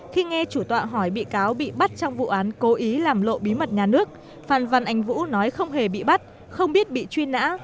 khi nghe chủ tọa hỏi bị cáo bị bắt trong vụ án cố ý làm lộ bí mật nhà nước phan văn anh vũ nói không hề bị bắt không biết bị truy nã